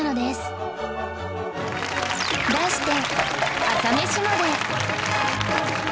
題して